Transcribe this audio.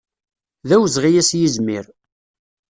D awezɣi ad s-yizmir.